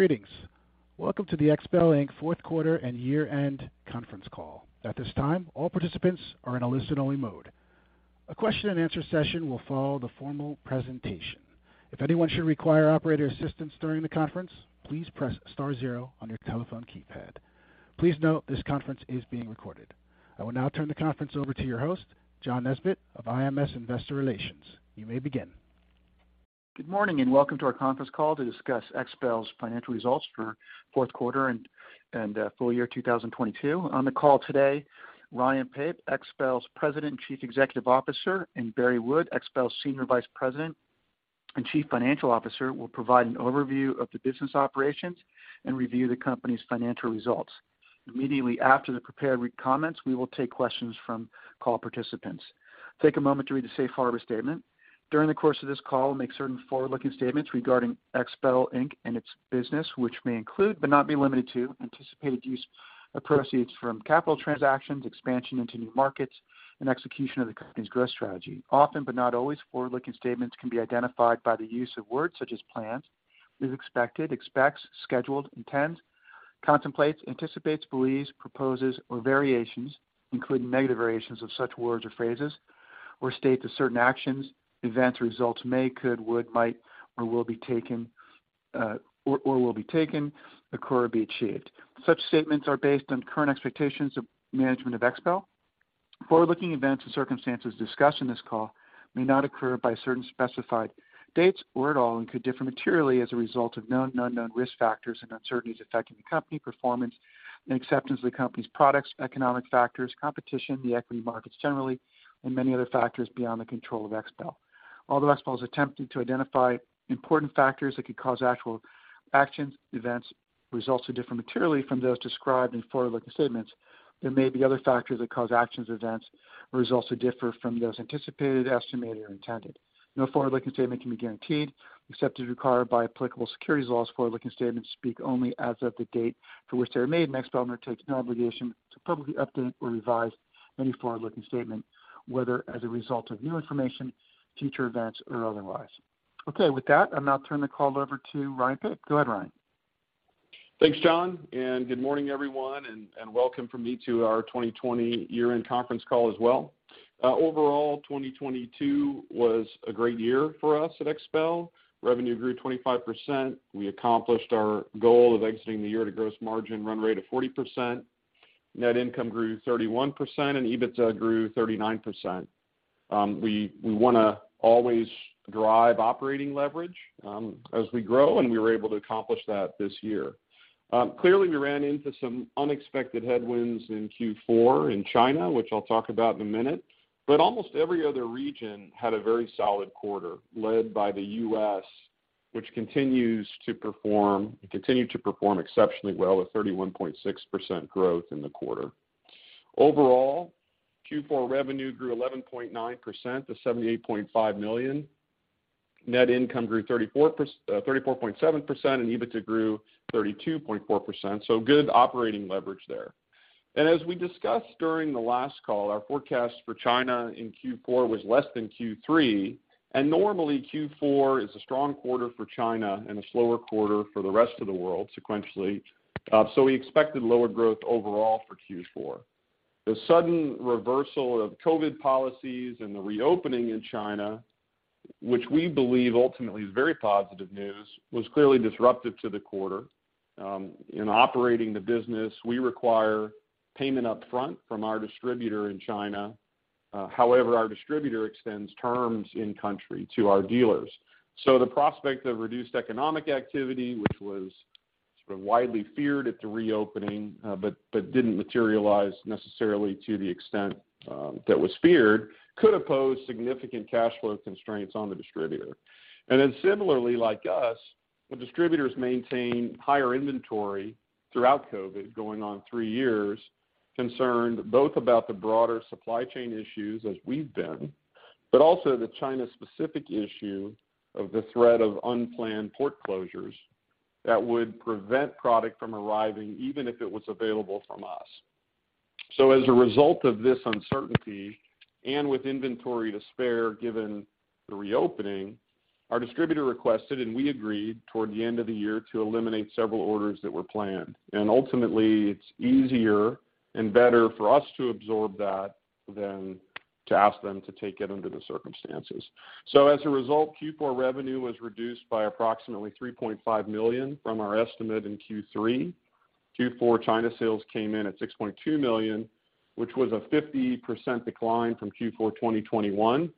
Greetings. Welcome to the XPEL, Inc. fourth quarter and year-end conference call. At this time, all participants are in a listen-only mode. A question-and-answer session will follow the formal presentation. If anyone should require Operator assistance during the conference, please press star zero on your telephone keypad. Please note this conference is being recorded. I will now turn the conference over to your host, John Nesbett of IMS Investor Relations. You may begin. Good morning, and welcome to our conference call to discuss XPEL's financial results for fourth quarter and full year 2022. On the call today, Ryan Pape, XPEL's President and Chief Executive Officer, and Barry Wood, XPEL's Senior Vice President and Chief Financial Officer, will provide an overview of the business operations and review the company's financial results. Immediately after the prepared comments, we will take questions from call participants. Take a moment to read the safe harbor statement. During the course of this call, we'll make certain forward-looking statements regarding XPEL Inc. and its business, which may include, but not be limited to, anticipated use of proceeds from capital transactions, expansion into new markets, and execution of the company's growth strategy. Often, but not always, forward-looking statements can be identified by the use of words such as plans, is expected, expects, scheduled, intends, contemplates, anticipates, believes, proposes, or variations, including negative variations of such words or phrases or states that certain actions, events, or results may, could, would, might, or will be taken, occur, or be achieved. Such statements are based on current expectations of management of XPEL. Forward-looking events and circumstances discussed in this call may not occur by certain specified dates or at all and could differ materially as a result of known and unknown risk factors and uncertainties affecting the company performance and acceptance of the company's products, economic factors, competition, the equity markets generally, and many other factors beyond the control of XPEL. Although XPEL has attempted to identify important factors that could cause actual actions, events, or results to differ materially from those described in forward-looking statements, there may be other factors that cause actions, events, or results to differ from those anticipated, estimated, or intended. No forward-looking statement can be guaranteed, except as required by applicable securities laws. Forward-looking statements speak only as of the date for which they are made, and XPEL undertakes no obligation to publicly update or revise any forward-looking statement, whether as a result of new information, future events, or otherwise. Okay. With that, I'll now turn the call over to Ryan Pape. Go ahead, Ryan. Thanks, John, good morning, everyone, and welcome from me to our 2020 year-end conference call as well. Overall, 2022 was a great year for us at XPEL. Revenue grew 25%. We accomplished our goal of exiting the year at a gross margin run rate of 40%. Net income grew 31%. EBITDA grew 39%. We wanna always drive operating leverage as we grow, and we were able to accomplish that this year. Clearly, we ran into some unexpected headwinds in Q4 in China, which I'll talk about in a minute. Almost every other region had a very solid quarter, led by the U.S., which continued to perform exceptionally well, with 31.6% growth in the quarter. Overall, Q4 revenue grew 11.9% to $78.5 million. Net income grew 34.7%, EBITDA grew 32.4%. Good operating leverage there. As we discussed during the last call, our forecast for China in Q4 was less than Q3. Normally Q4 is a strong quarter for China and a slower quarter for the rest of the world sequentially. We expected lower growth overall for Q4. The sudden reversal of COVID policies and the reopening in China, which we believe ultimately is very positive news, was clearly disruptive to the quarter. In operating the business, we require payment upfront from our distributor in China. However, our distributor extends terms in-country to our dealers. The prospect of reduced economic activity, which was sort of widely feared at the reopening, but didn't materialize necessarily to the extent that was feared, could have posed significant cash flow constraints on the distributor. Similarly, like us, the distributors maintained higher inventory throughout COVID, going on three years, concerned both about the broader supply chain issues as we've been, but also the China-specific issue of the threat of unplanned port closures that would prevent product from arriving, even if it was available from us. As a result of this uncertainty, and with inventory to spare given the reopening, our distributor requested, and we agreed toward the end of the year, to eliminate several orders that were planned. Ultimately, it's easier and better for us to absorb that than to ask them to take it under the circumstances. As a result, Q4 revenue was reduced by approximately $3.5 million from our estimate in Q3. Q4 China sales came in at $6.2 million, which was a 50% decline from Q4 2021.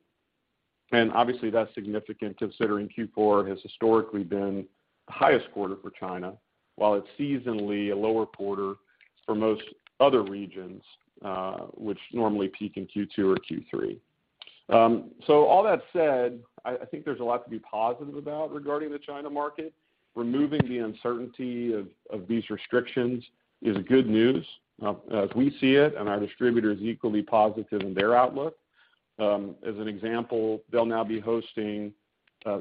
Obviously, that's significant considering Q4 has historically been the highest quarter for China, while it's seasonally a lower quarter for most other regions, which normally peak in Q2 or Q3. All that said, I think there's a lot to be positive about regarding the China market. Removing the uncertainty of these restrictions is good news, as we see it, and our distributor is equally positive in their outlook. As an example, they'll now be hosting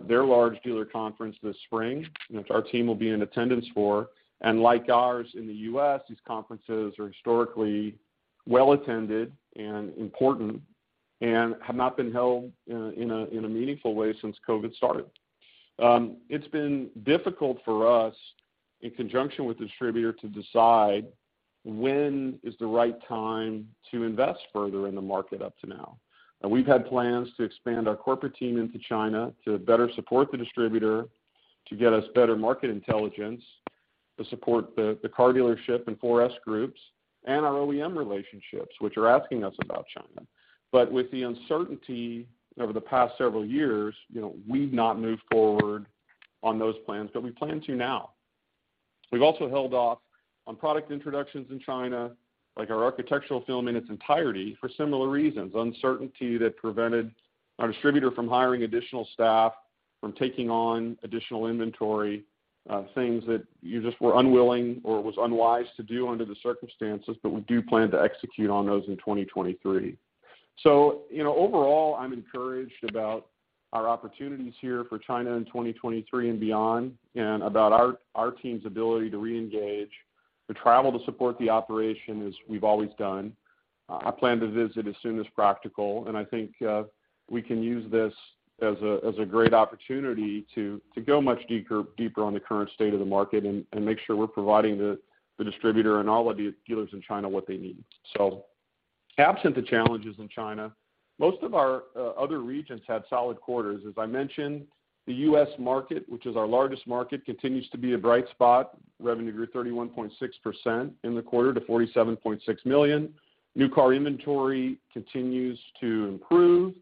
their large dealer conference this spring, which our team will be in attendance for. Like ours in the U.S., these conferences are historically well-attended and important and have not been held in a meaningful way since COVID started. It's been difficult for us, in conjunction with the distributor, to decide when is the right time to invest further in the market up to now. We've had plans to expand our corporate team into China to better support the distributor, to get us better market intelligence, to support the car dealership and 4S groups, and our OEM relationships, which are asking us about China. With the uncertainty over the past several years, you know, we've not moved forward on those plans, but we plan to now. We've also held off on product introductions in China, like our architectural film in its entirety, for similar reasons, uncertainty that prevented our distributor from hiring additional staff, from taking on additional inventory, things that you just were unwilling or was unwise to do under the circumstances. We do plan to execute on those in 2023. You know, overall, I'm encouraged about our opportunities here for China in 2023 and beyond, and about our team's ability to reengage, to travel to support the operation as we've always done. I plan to visit as soon as practical, and I think we can use this as a great opportunity to go much deeper on the current state of the market and make sure we're providing the distributor and all of the dealers in China what they need. Absent the challenges in China, most of our other regions had solid quarters. As I mentioned, the U.S. market, which is our largest market, continues to be a bright spot. Revenue grew 31.6% in the quarter to $47.6 million. New car inventory continues to improve.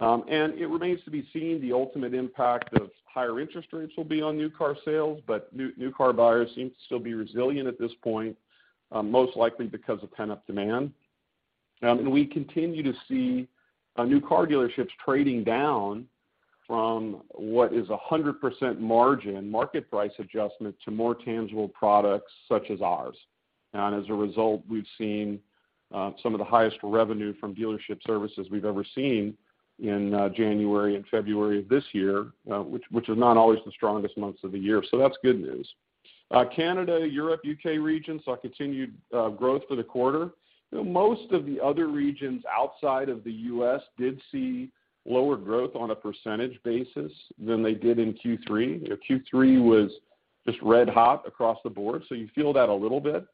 It remains to be seen the ultimate impact of higher interest rates will be on new car sales, but new car buyers seem to still be resilient at this point, most likely because of pent-up demand. We continue to see our new car dealerships trading down from what is a 100% margin market price adjustment to more tangible products such as ours. As a result, we've seen some of the highest revenue from dealership services we've ever seen in January and February of this year, which is not always the strongest months of the year. That's good news. Canada, Europe, U.K. regions saw continued growth for the quarter. Most of the other regions outside of the U.S. did see lower growth on a percentage basis than they did in Q3. Q3 was just red-hot across the board, you feel that a little bit.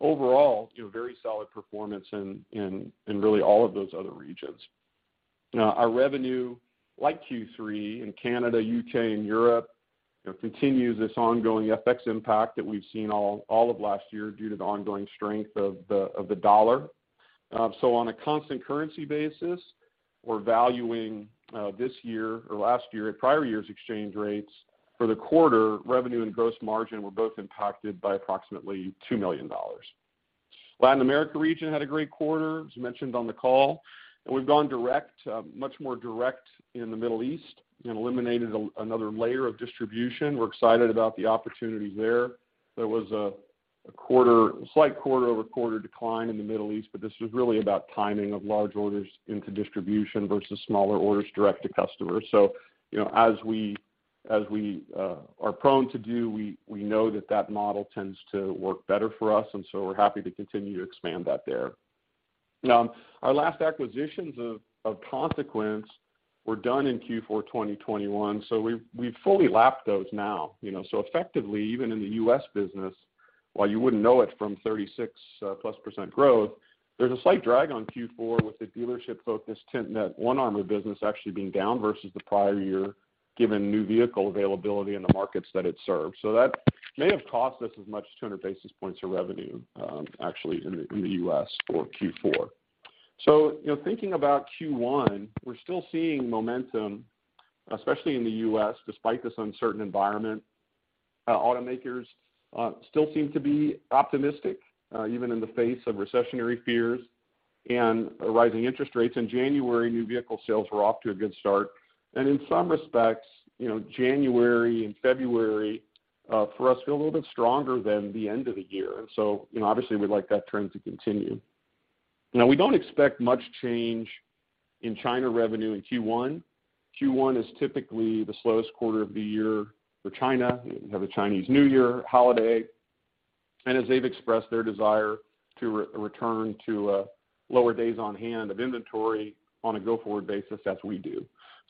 Overall, you know, very solid performance in really all of those other regions. Our revenue, like Q3 in Canada, U.K., and Europe, you know, continues this ongoing FX impact that we've seen all of last year due to the ongoing strength of the dollar. On a constant currency basis, we're valuing this year or last year at prior years' exchange rates. For the quarter, revenue and gross margin were both impacted by approximately $2 million. Latin America region had a great quarter, as mentioned on the call. We've gone direct, much more direct in the Middle East and eliminated another layer of distribution. We're excited about the opportunities there. There was a slight quarter-over-quarter decline in the Middle East, but this is really about timing of large orders into distribution versus smaller orders direct to customers. You know, as we are prone to do, we know that that model tends to work better for us, and so we're happy to continue to expand that there. Our last acquisitions of consequence were done in Q4 2021, we've fully lapped those now. You know, effectively, even in the U.S. business, while you wouldn't know it from 36 plus % growth, there's a slight drag on Q4 with the dealership-focused Tint Net, One Armor business actually being down versus the prior year, given new vehicle availability in the markets that it serves. That may have cost us as much as 200 basis points of revenue, actually in the U.S. for Q4. You know, thinking about Q1, we're still seeing momentum, especially in the U.S., despite this uncertain environment. Automakers still seem to be optimistic even in the face of recessionary fears and rising interest rates. In January, new vehicle sales were off to a good start. In some respects, you know, January and February, for us feel a little bit stronger than the end of the year. You know, obviously we'd like that trend to continue. Now we don't expect much change in China revenue in Q1. Q1 is typically the slowest quarter of the year for China. We have a Chinese New Year holiday. As they've expressed their desire to return to lower days on hand of inventory on a go-forward basis, as we do.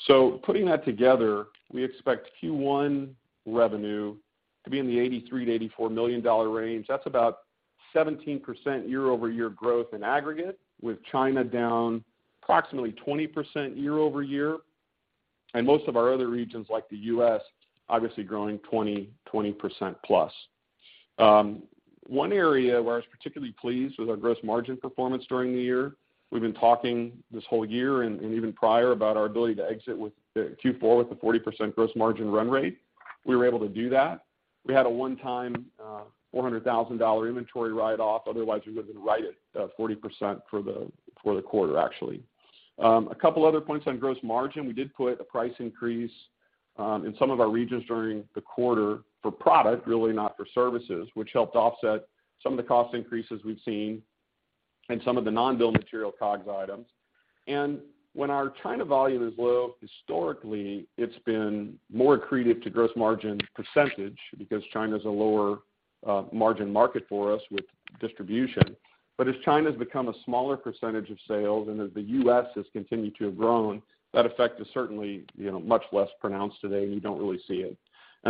Putting that together, we expect Q1 revenue to be in the $83 million-$84 million range. That's about 17% year-over-year growth in aggregate, with China down approximately 20% year-over-year. Most of our other regions, like the U.S., obviously growing 20%+. One area where I was particularly pleased with our gross margin performance during the year, we've been talking this whole year and even prior about our ability to exit with the Q4 with the 40% gross margin run rate. We were able to do that. We had a one-time $400,000 inventory write-off, otherwise, we would have been right at 40% for the quarter, actually. A couple other points on gross margin. We did put a price increase in some of our regions during the quarter for product, really not for services, which helped offset some of the cost increases we've seen and some of the non-bill material COGS items. When our China volume is low, historically, it's been more accretive to gross margin % because China's a lower margin market for us with distribution. As China's become a smaller percentage of sales and as the U.S. has continued to have grown, that effect is certainly, you know, much less pronounced today, and you don't really see it.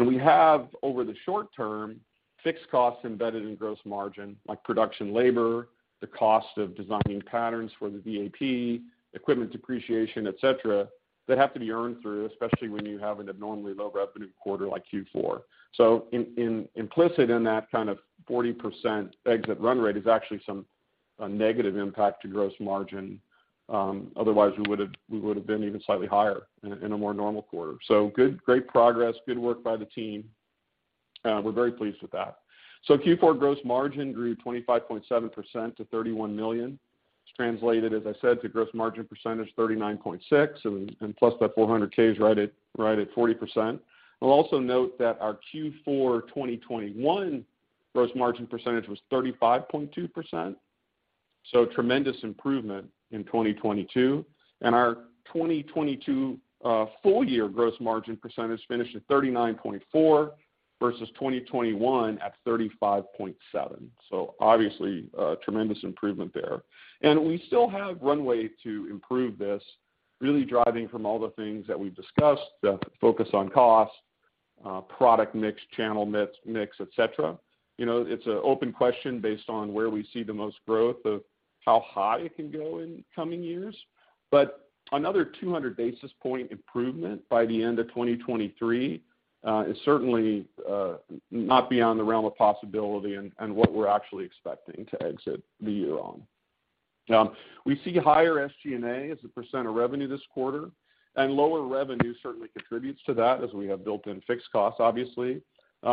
We have, over the short term, fixed costs embedded in gross margin, like production labor, the cost of designing patterns for the DAP, equipment depreciation, etc., that have to be earned through, especially when you have an abnormally low revenue quarter like Q4. Implicit in that kind of 40% exit run rate is actually some, a negative impact to gross margin. Otherwise, we would've been even slightly higher in a, in a more normal quarter. Great progress, good work by the team. We're very pleased with that. Q4 gross margin grew 25.7% to $31 million. It's translated, as I said, to gross margin percentage 39.6, and plus that $400K is right at 40%. I'll also note that our Q4 2021 gross margin percentage was 35.2%. Tremendous improvement in 2022. Our 2022 full year gross margin percentage finished at 39.4 vs. 2021 at 35.7. Obviously, a tremendous improvement there. We still have runway to improve this, really driving from all the things that we've discussed, the focus on cost, product mix, channel mix, etc.. You know, it's an open question based on where we see the most growth of how high it can go in coming years. Another 200 basis point improvement by the end of 2023 is certainly not beyond the realm of possibility and what we're actually expecting to exit the year on. We see higher SG&A as a % of revenue this quarter, and lower revenue certainly contributes to that as we have built in fixed costs, obviously.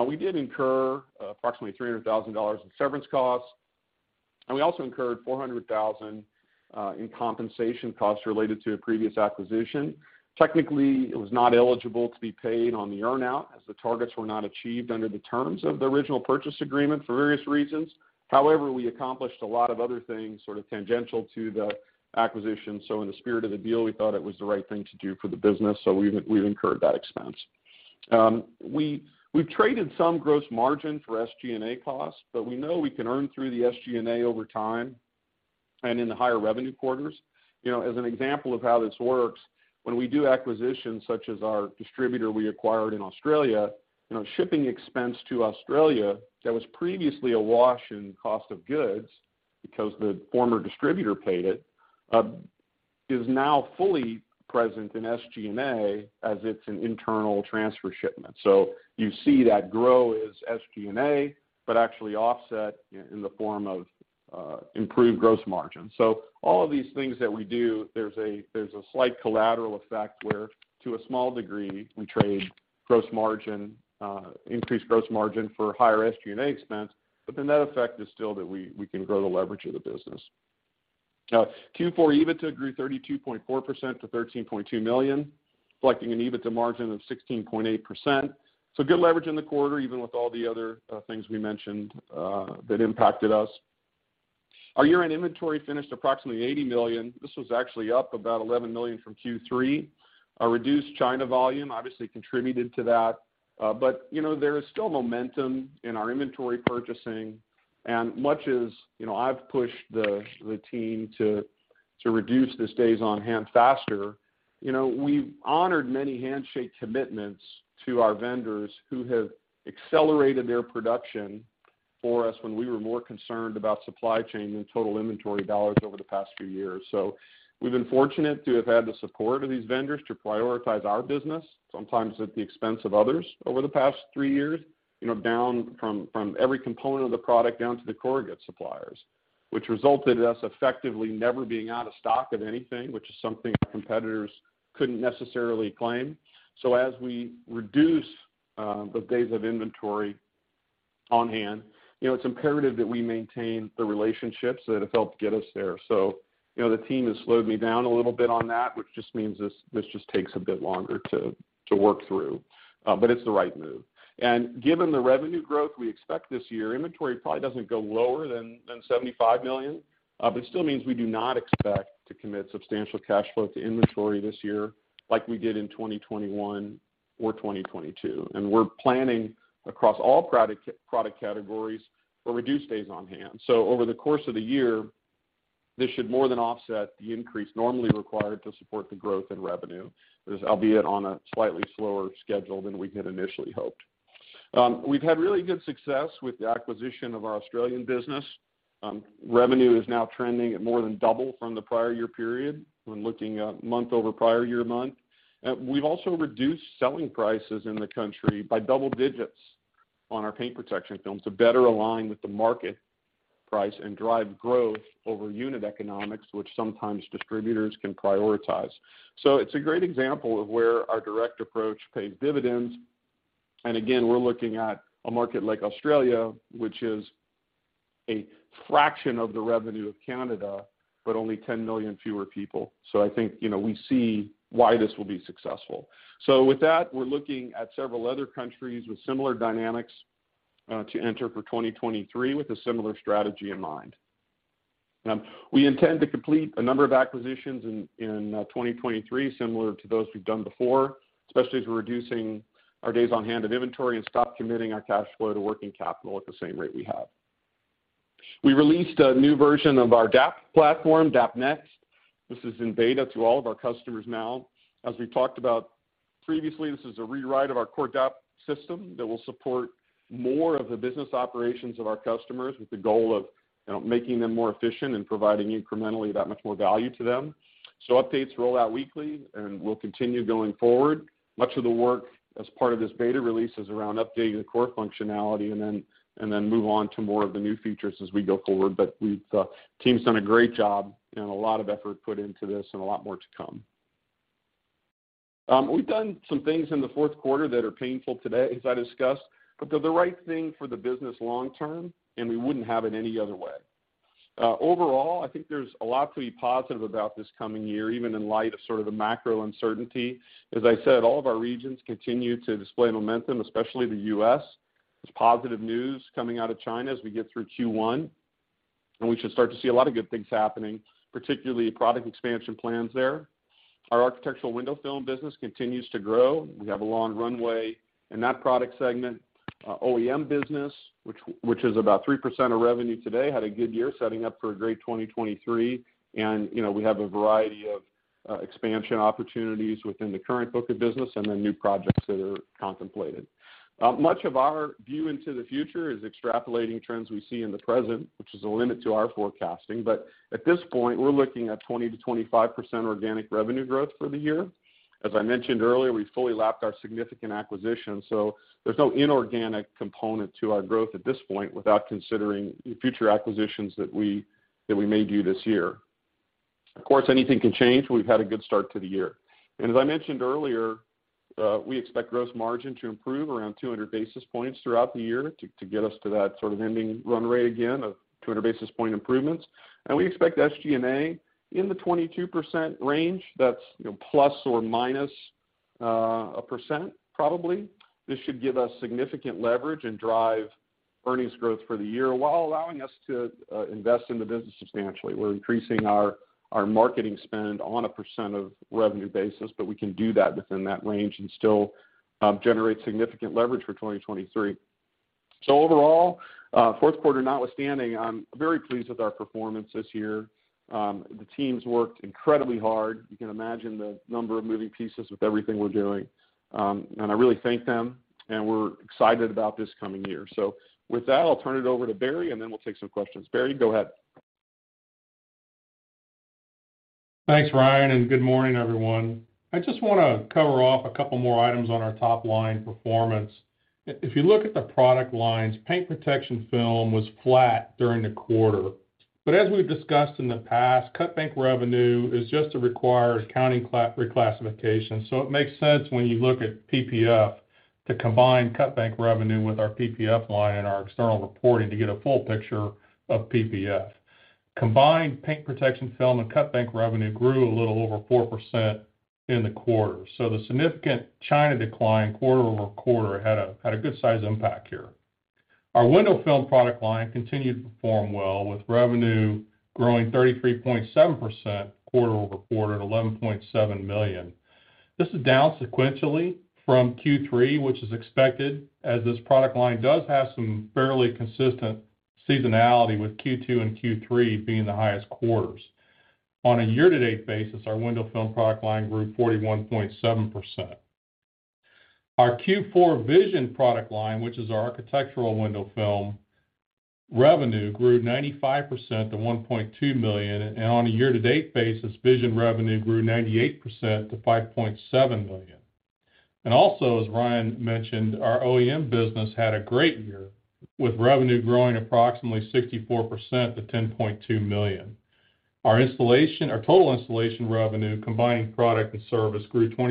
We did incur approximately $300,000 in severance costs, and we also incurred $400,000 in compensation costs related to a previous acquisition. Technically, it was not eligible to be paid on the earn out, as the targets were not achieved under the terms of the original purchase agreement for various reasons. We accomplished a lot of other things, sort of tangential to the acquisition. In the spirit of the deal, we thought it was the right thing to do for the business. We've incurred that expense. We've traded some gross margin for SG&A costs, but we know we can earn through the SG&A over time and in the higher revenue quarters. You know, as an example of how this works, when we do acquisitions such as our distributor we acquired in Australia, you know, shipping expense to Australia that was previously a wash in cost of goods because the former distributor paid it, is now fully present in SG&A as it's an internal transfer shipment. You see that grow as SG&A, but actually offset in the form of improved gross margin. All of these things that we do, there's a slight collateral effect where to a small degree, we trade gross margin, increased gross margin for higher SG&A expense, but the net effect is still that we can grow the leverage of the business. Q4 EBITDA grew 32.4% to $13.2 million, reflecting an EBITDA margin of 16.8%. Good leverage in the quarter, even with all the other things we mentioned that impacted us. Our year-end inventory finished approximately $80 million. This was actually up about $11 million from Q3. Our reduced China volume obviously contributed to that. But you know, there is still momentum in our inventory purchasing. Much as, you know, I've pushed the team to reduce this days on hand faster, you know, we've honored many handshake commitments to our vendors who have accelerated their production for us when we were more concerned about supply chain than total inventory dollars over the past few years. We've been fortunate to have had the support of these vendors to prioritize our business, sometimes at the expense of others over the past three years, you know, down from every component of the product down to the corrugate suppliers, which resulted in us effectively never being out of stock of anything, which is something our competitors couldn't necessarily claim. As we reduce the days of inventory on hand, you know, it's imperative that we maintain the relationships that have helped get us there. You know, the team has slowed me down a little bit on that, which just means this just takes a bit longer to work through, but it's the right move. Given the revenue growth we expect this year, inventory probably doesn't go lower than $75 million. It still means we do not expect to commit substantial cash flow to inventory this year like we did in 2021 or 2022. We're planning across all product categories for reduced days on hand. Over the course of the year, this should more than offset the increase normally required to support the growth in revenue, this albeit on a slightly slower schedule than we had initially hoped. We've had really good success with the acquisition of our Australian business. Revenue is now trending at more than double from the prior year period when looking at month over prior year month. We've also reduced selling prices in the country by double digits on our paint protection film to better align with the market price and drive growth over unit economics, which sometimes distributors can prioritize. It's a great example of where our direct approach pays dividends. Again, we're looking at a market like Australia, which is a fraction of the revenue of Canada, but only 10 million fewer people. I think, you know, we see why this will be successful. With that, we're looking at several other countries with similar dynamics to enter for 2023 with a similar strategy in mind. We intend to complete a number of acquisitions in 2023 similar to those we've done before, especially as we're reducing our days on hand of inventory and stop committing our cash flow to working capital at the same rate we have. We released a new version of our DAP platform, DAP Next. This is in beta to all of our customers now. As we talked about previously, this is a rewrite of our core DAP system that will support more of the business operations of our customers with the goal of, you know, making them more efficient and providing incrementally that much more value to them. Updates roll out weekly and will continue going forward. Much of the work as part of this beta release is around updating the core functionality and then move on to more of the new features as we go forward. We've, team's done a great job and a lot of effort put into this and a lot more to come. We've done some things in the fourth quarter that are painful today, as I discussed, but they're the right thing for the business long term, and we wouldn't have it any other way. Overall, I think there's a lot to be positive about this coming year, even in light of sort of the macro uncertainty. As I said, all of our regions continue to display momentum, especially the U.S. There's positive news coming out of China as we get through Q1. We should start to see a lot of good things happening, particularly product expansion plans there. Our architectural window film business continues to grow. We have a long runway in that product segment. Our OEM business, which is about 3% of revenue today, had a good year setting up for a great 2023. You know, we have a variety of expansion opportunities within the current book of business and then new projects that are contemplated. Much of our view into the future is extrapolating trends we see in the present, which is a limit to our forecasting. At this point, we're looking at 20%-25% organic revenue growth for the year. As I mentioned earlier, we fully lapped our significant acquisition, so there's no inorganic component to our growth at this point without considering future acquisitions that we may do this year. Of course, anything can change. We've had a good start to the year. As I mentioned earlier, we expect gross margin to improve around 200 basis points throughout the year to get us to that sort of ending run rate again of 200 basis point improvements. We expect SG&A in the 22% range. That's, you know, ± 1% probably. This should give us significant leverage and drive earnings growth for the year while allowing us to invest in the business substantially. We're increasing our marketing spend on a % of revenue basis, but we can do that within that range and still generate significant leverage for 2023. Overall, fourth quarter notwithstanding, I'm very pleased with our performance this year. The team's worked incredibly hard. You can imagine the number of moving pieces with everything we're doing. I really thank them, and we're excited about this coming year. With that, I'll turn it over to Barry, and then we'll take some questions. Barry, go ahead. Thanks, Ryan, good morning, everyone. I just wanna cover off a couple more items on our top line performance. If you look at the product lines, paint protection film was flat during the quarter. As we've discussed in the past, cut-bank revenue is just a required accounting reclassification. It makes sense when you look at PPF to combine cut-bank revenue with our PPF line in our external reporting to get a full picture of PPF. Combined paint protection film and cut-bank revenue grew a little over 4% in the quarter. The significant China decline quarter-over-quarter had a good size impact here. Our window film product line continued to perform well with revenue growing 33.7% quarter-over-quarter at $11.7 million. This is down sequentially from Q3, which is expected as this product line does have some fairly consistent seasonality with Q2 and Q3 being the highest quarters. On a year-to-date basis, our window film product line grew 41.7%. Our Q4 Vision product line, which is our architectural window film, revenue grew 95% to $1.2 million. On a year-to-date basis, Vision revenue grew 98% to $5.7 million. Also, as Ryan mentioned, our OEM business had a great year with revenue growing approximately 64% to $10.2 million. Our total installation revenue, combining product and service, grew 27%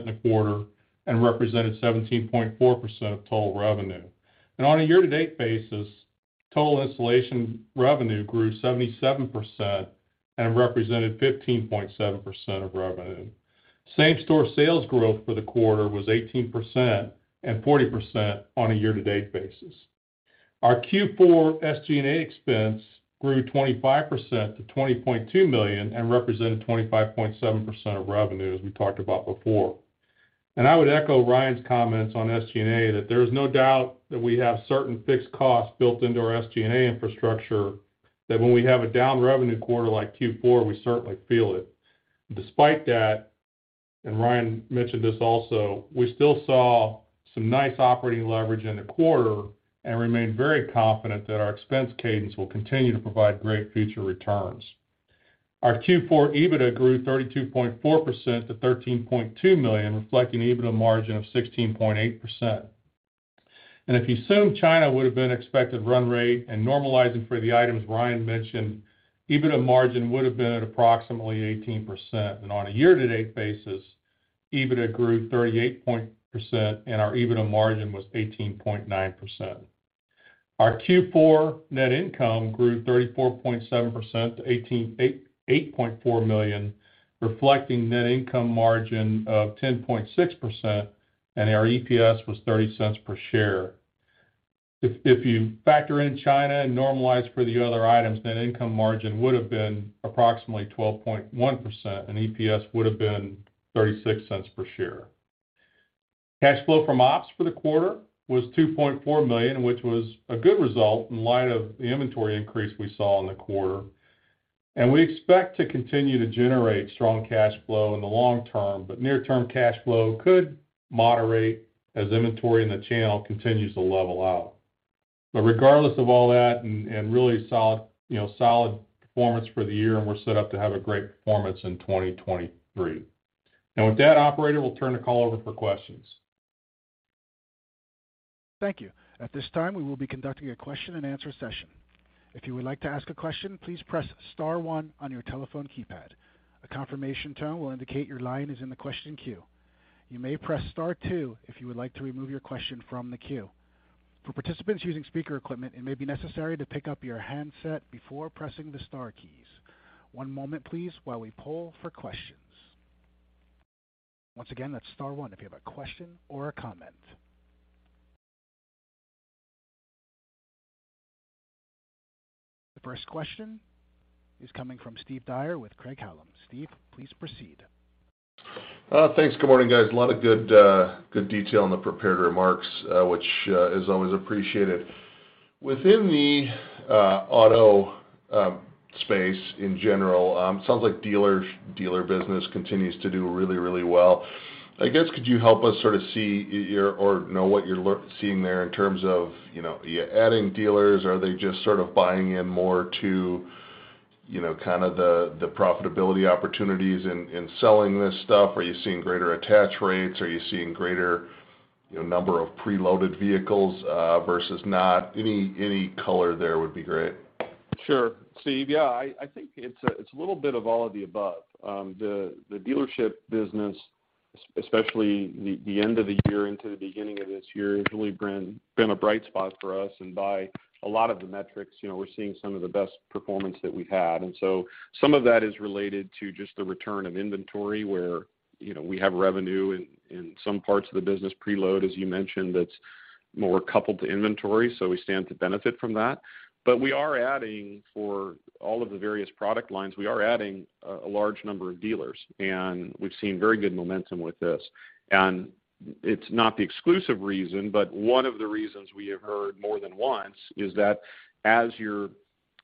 in the quarter and represented 17.4% of total revenue. On a year-to-date basis, total installation revenue grew 77% and represented 15.7% of revenue. Same-store sales growth for the quarter was 18% and 40% on a year-to-date basis. Our Q4 SG&A expense grew 25% to $20.2 million and represented 25.7% of revenue, as we talked about before. I would echo Ryan's comments on SG&A that there is no doubt that we have certain fixed costs built into our SG&A infrastructure that when we have a down revenue quarter like Q4, we certainly feel it. Despite that, and Ryan mentioned this also, we still saw some nice operating leverage in the quarter and remain very confident that our expense cadence will continue to provide great future returns. Our Q4 EBITDA grew 32.4% to $13.2 million, reflecting EBITDA margin of 16.8%. If you assume China would have been expected run rate and normalizing for the items Ryan mentioned, EBITDA margin would have been at approximately 18%. On a year-to-date basis, EBITDA grew 38% and our EBITDA margin was 18.9%. Our Q4 net income grew 34.7% to $18.8 million, reflecting net income margin of 10.6%, and our EPS was $0.30 per share. If you factor in China and normalize for the other items, net income margin would have been approximately 12.1%, and EPS would have been $0.36 per share. Cash flow from ops for the quarter was $2.4 million, which was a good result in light of the inventory increase we saw in the quarter. We expect to continue to generate strong cash flow in the long term, but near-term cash flow could moderate as inventory in the channel continues to level out. Regardless of all that and really solid, you know, solid performance for the year, and we're set up to have a great performance in 2023. Now with that, Operator, we'll turn the call over for questions. Thank you. At this time, we will be conducting a question-and-answer session. If you would like to ask a question, please press star one on your telephone keypad. A confirmation tone will indicate your line is in the question queue. You may press star two if you would like to remove your question from the queue. For participants using speaker equipment, it may be necessary to pick up your handset before pressing the star keys. One moment please, while we poll for questions. Once again, that's star one if you have a question or a comment. The first question is coming from Steve Dyer with Craig-Hallum. Steve, please proceed. Thanks. Good morning, guys. A lot of good detail in the prepared remarks, which is always appreciated. Within the auto space in general, sounds like dealer business continues to do really, really well. I guess, could you help us sort of see what you're seeing there in terms of, you know, are you adding dealers? Are they just sort of buying in more to, you know, kind of the profitability opportunities in selling this stuff? Are you seeing greater attach rates? Are you seeing greater, you know, number of preloaded vehicles versus not? Any color there would be great. Sure. Steve, yeah, I think it's a little bit of all of the above. The dealership business, especially the end of the year into the beginning of this year, has really been a bright spot for us. By a lot of the metrics, you know, we're seeing some of the best performance that we've had. Some of that is related to just the return of inventory where, you know, we have revenue in some parts of the business preload, as you mentioned, that's more coupled to inventory, so we stand to benefit from that. We are adding for all of the various product lines, we are adding a large number of dealers, and we've seen very good momentum with this. It's not the exclusive reason, but one of the reasons we have heard more than once is that as you're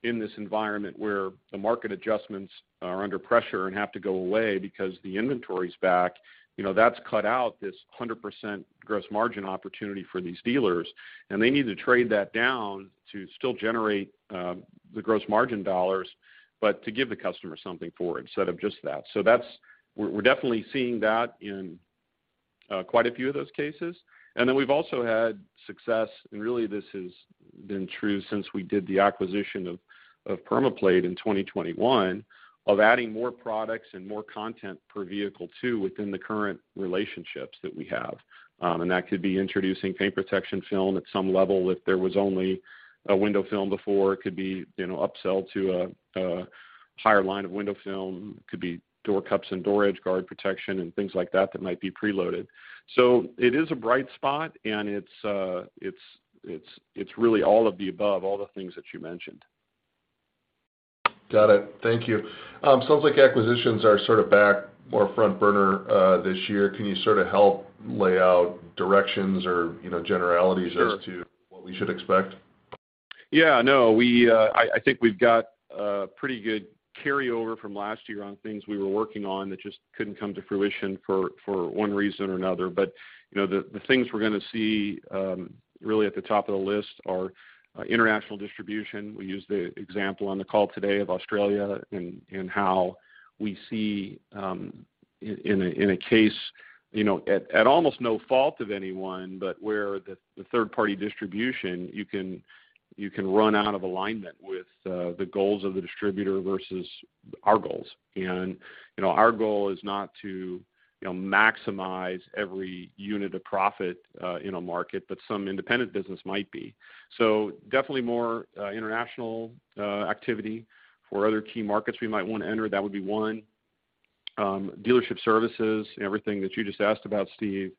in this environment where the market adjustments are under pressure and have to go away because the inventory's back, you know, that's cut out this 100% gross margin opportunity for these dealers, and they need to trade that down to still generate the gross margin dollars, but to give the customer something for it instead of just that. We're definitely seeing that in quite a few of those cases. Then we've also had success, and really this has been true since we did the acquisition of PermaPlate in 2021, of adding more products and more content per vehicle too, within the current relationships that we have. That could be introducing paint protection film at some level if there was only a window film before. It could be, you know, upsell to a higher line of window film. It could be Door Cups and Door Edge Guard protection and things like that that might be preloaded. It is a bright spot, and it's really all of the above, all the things that you mentioned. Got it. Thank you. Sounds like acquisitions are sort of back more front burner this year. Can you sort of help lay out directions or, you know, generalities. Sure. As to what we should expect? Yeah, no. We, I think we've got a pretty good carryover from last year on things we were working on that just couldn't come to fruition for one reason or another. You know, the things we're gonna see really at the top of the list are international distribution. We used the example on the call today of Australia and how we see in a case, you know, at almost no fault of anyone, but where the third-party distribution, you can run out of alignment with the goals of the distributor versus our goals. You know, our goal is not to, you know, maximize every unit of profit in a market, but some independent business might be. Definitely more international activity for other key markets we might want to enter, that would be one. Dealership services, everything that you just asked about, Steve.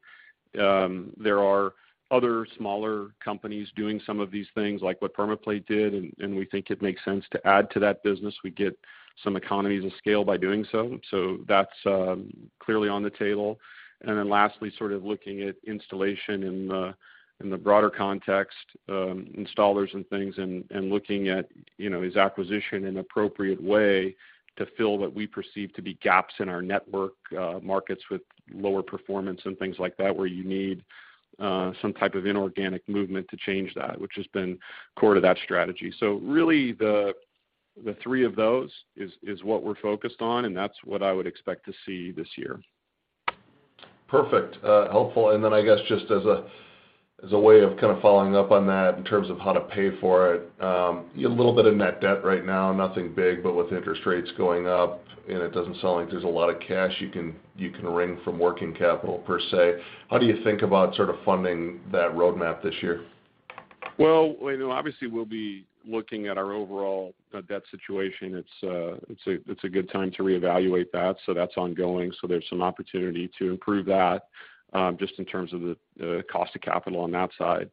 There are other smaller companies doing some of these things, like what PermaPlate did, and we think it makes sense to add to that business. We get some economies of scale by doing so, that's clearly on the table. Lastly, sort of looking at installation in the broader context, installers and things and looking at, you know, is acquisition an appropriate way to fill what we perceive to be gaps in our network, markets with lower performance and things like that, where you need some type of inorganic movement to change that, which has been core to that strategy. Really the three of those is what we're focused on, and that's what I would expect to see this year. Perfect. helpful. I guess just as a, as a way of kind of following up on that in terms of how to pay for it. You have a little bit of net debt right now, nothing big, but with interest rates going up and it doesn't sound like there's a lot of cash you can, you can wring from working capital per se. How do you think about sort of funding that roadmap this year? You know, obviously, we'll be looking at our overall debt situation. It's a, it's a good time to reevaluate that's ongoing. There's some opportunity to improve that, just in terms of the cost of capital on that side.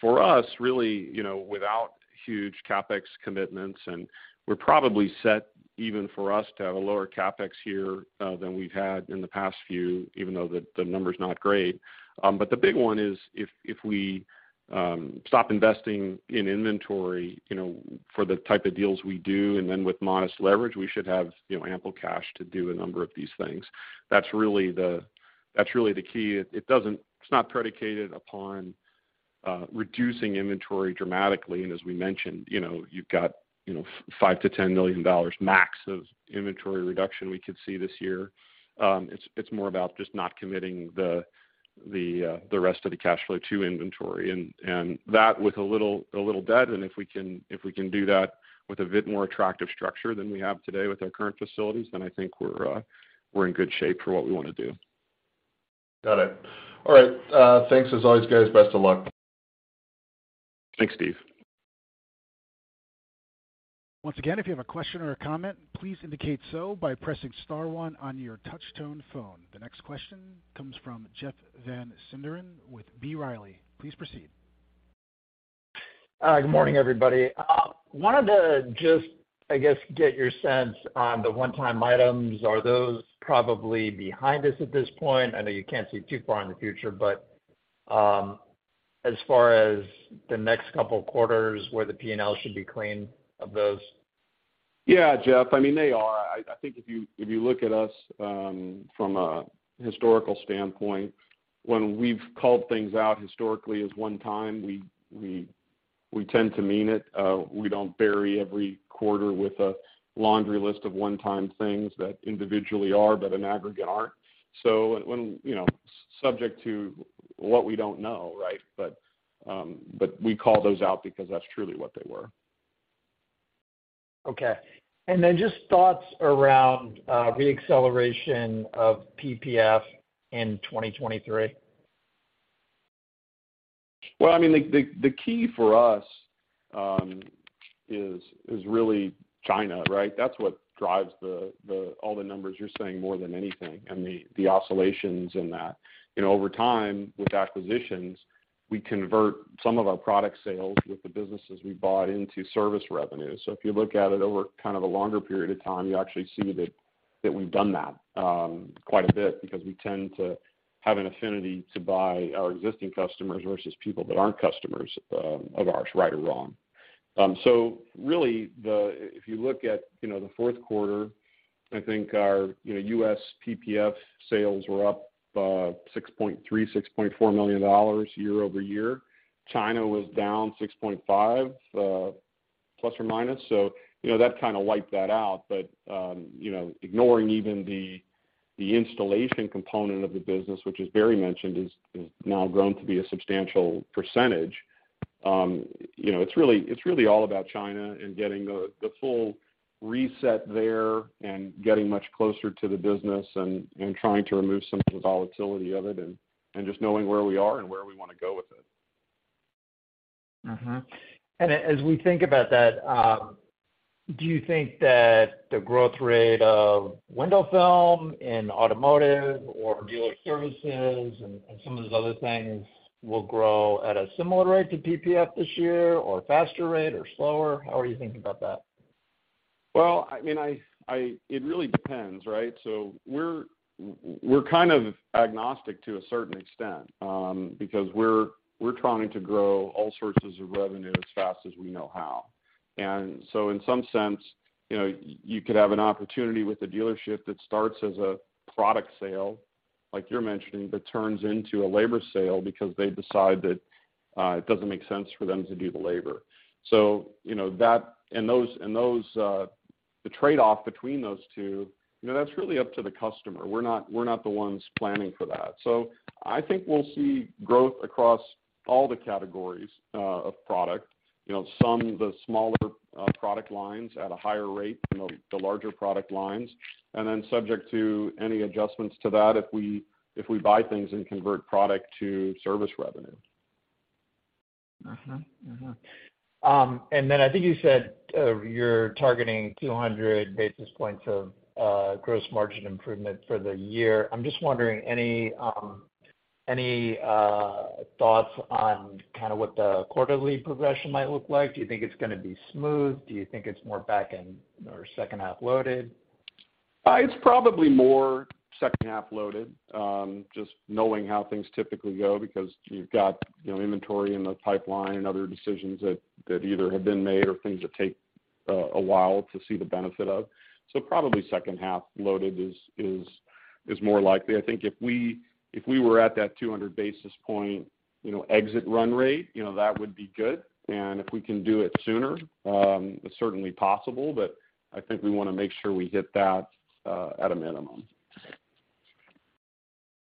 For us, really, you know, without huge CapEx commitments, and we're probably set even for us to have a lower CapEx here than we've had in the past few, even though the number's not great. The big one is if we stop investing in inventory, you know, for the type of deals we do, with modest leverage, we should have, you know, ample cash to do a number of these things. That's really the, that's really the key. It's not predicated upon reducing inventory dramatically. As we mentioned, you know, you've got, you know, $5 million-$10 million max of inventory reduction we could see this year. It's more about just not committing the rest of the cash flow to inventory. And that with a little debt, and if we can do that with a bit more attractive structure than we have today with our current facilities, then I think we're in good shape for what we wanna do. Got it. All right, thanks as always, guys. Best of luck. Thanks, Steve. Once again, if you have a question or a comment, please indicate so by pressing star one on your touch tone phone. The next question comes from Jeff Van Sinderen with B. Riley. Please proceed. Good morning, everybody. Wanted to just, I guess, get your sense on the one-time items. Are those probably behind us at this point? I know you can't see too far in the future, but, as far as the next couple of quarters where the P&L should be clean of those. Yeah, Jeff. I mean, they are. I think if you, if you look at us, from a historical standpoint, when we've called things out historically as one time, we tend to mean it. We don't bury every quarter with a laundry list of one-time things that individually are, but in aggregate aren't. When you know, subject to what we don't know, right? We call those out because that's truly what they were. Okay. Just thoughts around, re-acceleration of PPF in 2023. Well, I mean, the key for us is really China, right? That's what drives all the numbers you're saying more than anything, and the oscillations in that. You know, over time, with acquisitions, we convert some of our product sales with the businesses we bought into service revenue. If you look at it over kind of a longer period of time, you actually see that we've done that quite a bit because we tend to have an affinity to buy our existing customers versus people that aren't customers of ours, right or wrong. Really, if you look at, you know, the fourth quarter, I think our, you know, U.S. PPF sales were up $6.3 million, $6.4 million year-over-year. China was down ±$6.5 million. You know, that kinda wiped that out. You know, ignoring even the installation component of the business, which as Barry mentioned, is now grown to be a substantial percentage, you know, it's really all about China and getting the full reset there and getting much closer to the business and trying to remove some of the volatility of it and just knowing where we are and where we wanna go with it. As we think about that, do you think that the growth rate of window film in automotive or dealer services and some of those other things will grow at a similar rate to PPF this year or faster rate or slower? How are you thinking about that? Well, I mean, it really depends, right? We're kind of agnostic to a certain extent, because we're trying to grow all sources of revenue as fast as we know how. In some sense, you know, you could have an opportunity with a dealership that starts as a product sale, like you're mentioning, but turns into a labor sale because they decide that it doesn't make sense for them to do the labor. You know, that and those, the trade-off between those two, you know, that's really up to the customer. We're not the ones planning for that. I think we'll see growth across all the categories of product. You know, some, the smaller product lines at a higher rate than the larger product lines. Subject to any adjustments to that if we buy things and convert product to service revenue. Mm-hmm. Mm-hmm. I think you said, you're targeting 200 basis points of, gross margin improvement for the year. I'm just wondering, any, thoughts on kinda what the quarterly progression might look like? Do you think it's gonna be smooth? Do you think it's more back-end or second half loaded? It's probably more second half loaded, just knowing how things typically go because you've got, you know, inventory in the pipeline and other decisions that either have been made or things that take a while to see the benefit of. Probably second half loaded is more likely. I think if we were at that 200 basis point, you know, exit run rate, you know, that would be good. If we can do it sooner, it's certainly possible, but I think we wanna make sure we hit that at a minimum.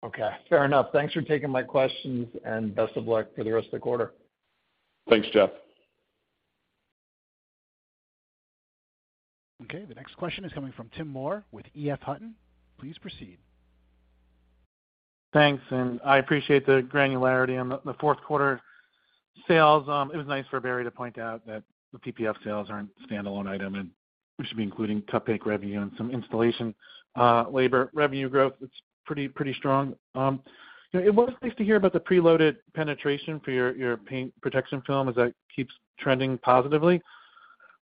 Okay, fair enough. Thanks for taking my questions, and best of luck for the rest of the quarter. Thanks, Jeff. Okay. The next question is coming from Tim Moore with EF Hutton. Please proceed. Thanks. I appreciate the granularity on the fourth quarter sales. It was nice for Barry to point out that the PPF sales aren't a standalone item. We should be including cut-bank revenue and some installation labor revenue growth. It's pretty strong. You know, it was nice to hear about the preloaded penetration for your paint protection film as that keeps trending positively.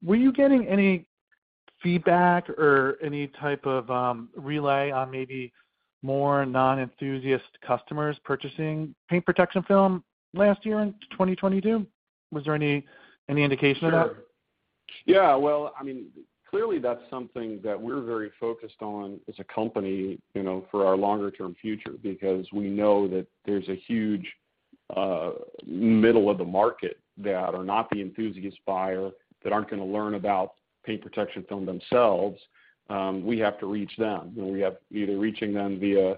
Were you getting any feedback or any type of relay on maybe more non-enthusiast customers purchasing paint protection film last year in 2022? Was there any indication of that? Sure. Yeah, well, I mean, clearly that's something that we're very focused on as a company, you know, for our longer term future, because we know that there's a huge middle of the market that are not the enthusiast buyer that aren't gonna learn about paint protection film themselves. We have to reach them. You know, we have either reaching them via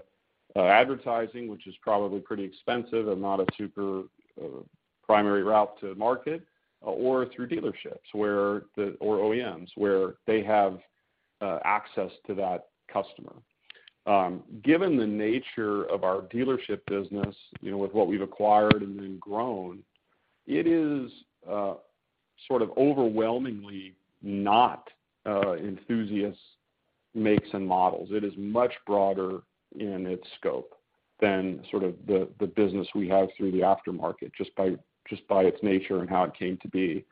advertising, which is probably pretty expensive and not a super primary route to market, or through dealerships or OEMs, where they have access to that customer. Given the nature of our dealership business, you know, with what we've acquired and then grown, it is sort of overwhelmingly not enthusiasts makes and models. It is much broader in its scope than sort of the business we have through the aftermarket, just by its nature and how it came to be.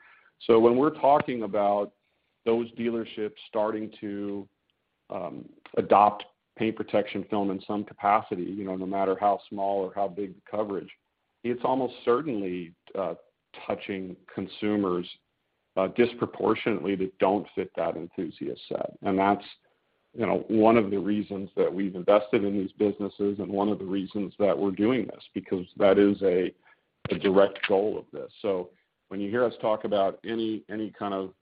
When we're talking about those dealerships starting to adopt paint protection film in some capacity, you know, no matter how small or how big the coverage, it's almost certainly touching consumers disproportionately that don't fit that enthusiast set. That's, you know, one of the reasons that we've invested in these businesses and one of the reasons that we're doing this, because that is a direct goal of this. When you hear us talk about any kind of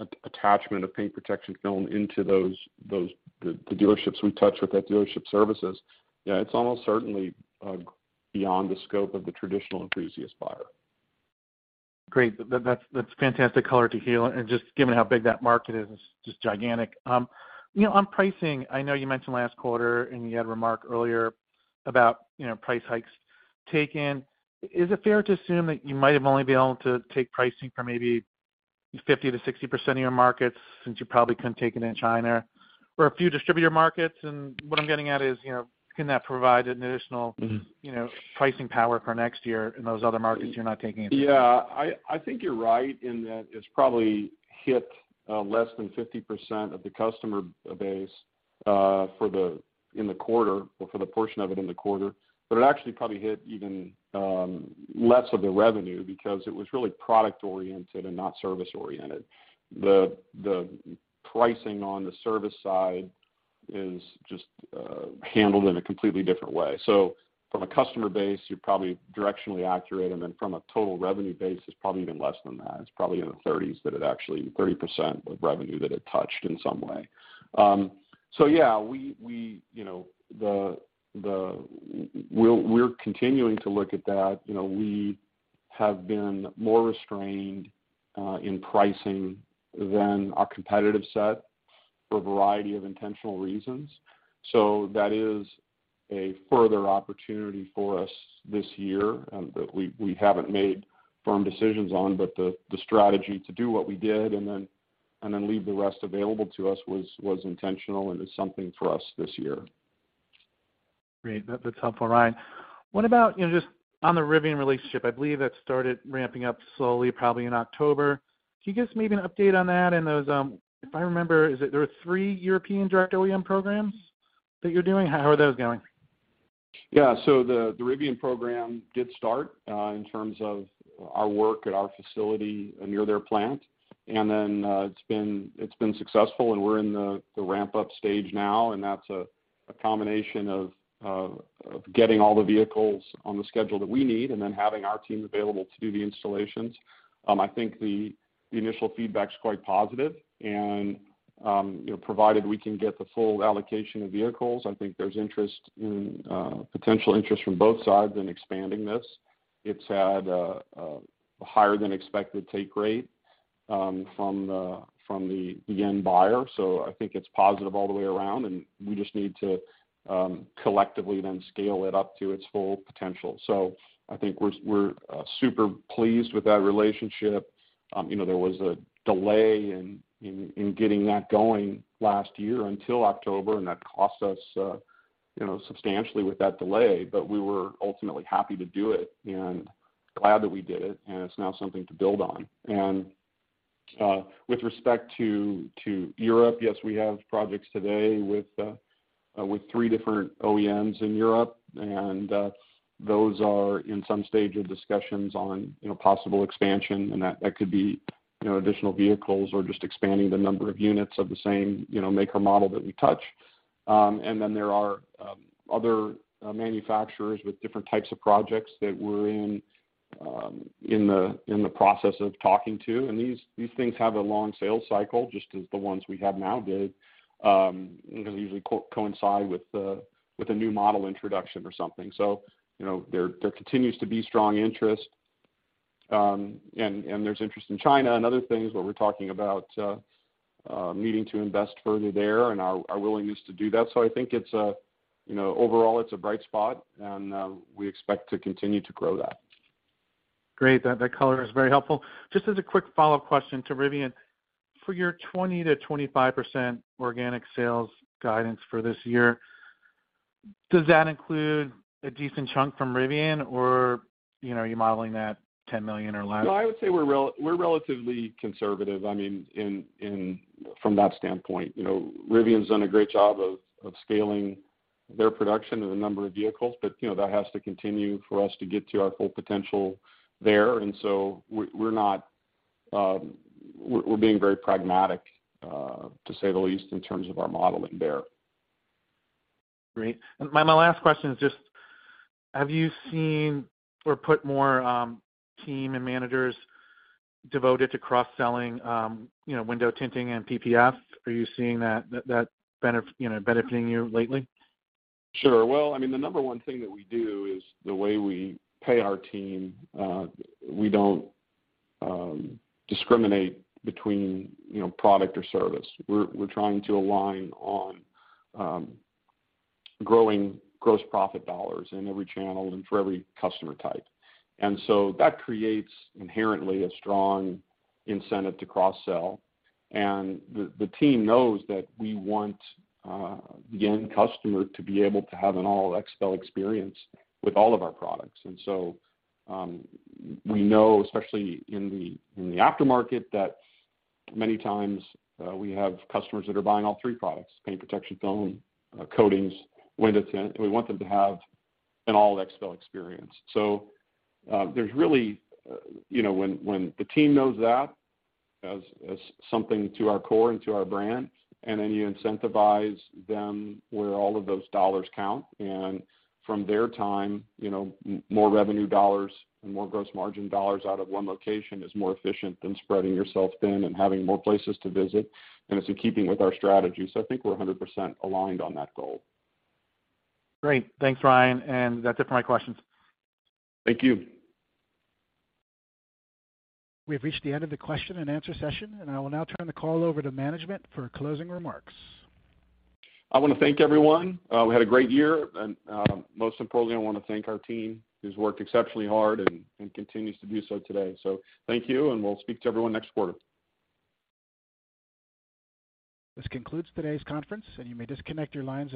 at-attachment of paint protection film into those dealerships we touch with at Dealership Services, yeah, it's almost certainly beyond the scope of the traditional enthusiast buyer. Great. That's fantastic color to hear. Just given how big that market is, it's just gigantic. You know, on pricing, I know you mentioned last quarter, and you had a remark earlier about, you know, price hikes taken. Is it fair to assume that you might have only been able to take pricing for maybe 50% to 60% of your markets since you probably couldn't take it in China or a few distributor markets? What I'm getting at is, you know, can that provide an additional- Mm-hmm. You know, pricing power for next year in those other markets you're not taking it? I think you're right in that it's probably hit less than 50% of the customer base for the portion of it in the quarter, it actually probably hit even less of the revenue because it was really product-oriented and not service-oriented. The pricing on the service side is just handled in a completely different way. From a customer base, you're probably directionally accurate, and then from a total revenue base, it's probably even less than that. It's probably in the 30s, 30% of revenue that it touched in some way. We, you know, we're continuing to look at that. You know, we have been more restrained in pricing than our competitive set for a variety of intentional reasons. That is a further opportunity for us this year, that we haven't made firm decisions on, but the strategy to do what we did and then leave the rest available to us was intentional and is something for us this year. Great. That's helpful, Ryan. What about, you know, just on the Rivian relationship, I believe that started ramping up slowly probably in October. Can you give us maybe an update on that and those? If I remember, is it there are three European direct OEM programs that you're doing? How are those going? The Rivian program did start in terms of our work at our facility near their plant. It's been successful, and we're in the ramp-up stage now, and that's a combination of getting all the vehicles on the schedule that we need and then having our teams available to do the installations. I think the initial feedback's quite positive. You know, provided we can get the full allocation of vehicles, I think there's interest in potential interest from both sides in expanding this. It's had a higher than expected take rate from the end buyer. I think it's positive all the way around, and we just need to collectively then scale it up to its full potential. I think we're super pleased with that relationship. You know, there was a delay in getting that going last year until October, and that cost us, you know, substantially with that delay. We were ultimately happy to do it and glad that we did it, and it's now something to build on. With respect to Europe, yes, we have projects today with three different OEMs in Europe, and those are in some stage of discussions on, you know, possible expansion and that could be, you know, additional vehicles or just expanding the number of units of the same, you know, make or model that we touch. There are other manufacturers with different types of projects that we're in the process of talking to. These things have a long sales cycle, just as the ones we have now did, 'cause they usually coincide with a new model introduction or something. You know, there continues to be strong interest. And there's interest in China and other things where we're talking about needing to invest further there and our willingness to do that. I think it's, you know, overall it's a bright spot, and we expect to continue to grow that. Great. That color is very helpful. Just as a quick follow-up question to Rivian. For your 20%-25% organic sales guidance for this year, does that include a decent chunk from Rivian or, you know, are you modeling that $10 million or less? No, I would say we're relatively conservative, I mean, from that standpoint. You know, Rivian's done a great job of scaling their production of a number of vehicles, but, you know, that has to continue for us to get to our full potential there. We're not. We're being very pragmatic, to say the least, in terms of our modeling there. Great. My last question is just have you seen or put more team and managers devoted to cross-selling, you know, window tinting and PPF? Are you seeing that, you know, benefiting you lately? Sure. Well, I mean, the number one thing that we do is the way we pay our team. We don't discriminate between, you know, product or service. We're trying to align on growing gross profit dollars in every channel and for every customer type. That creates inherently a strong incentive to cross-sell. The team knows that we want the end customer to be able to have an all XPEL experience with all of our products. We know, especially in the aftermarket, that many times, we have customers that are buying all three products: paint protection film, coatings, window tint, and we want them to have an all XPEL experience. There's really, you know, when the team knows that as something to our core and to our brand, and then you incentivize them where all of those dollars count, and from their time, you know, more revenue dollars and more gross margin dollars out of one location is more efficient than spreading yourself thin and having more places to visit, and it's in keeping with our strategy. I think we're 100% aligned on that goal. Great. Thanks, Ryan. That's it for my questions. Thank you. We've reached the end of the question and answer session, and I will now turn the call over to management for closing remarks. I wanna thank everyone. We had a great year, and, most importantly, I wanna thank our team who's worked exceptionally hard and continues to do so today. Thank you, and we'll speak to everyone next quarter. This concludes today's conference, and you may disconnect your lines.